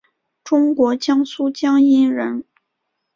中国江苏江阴人。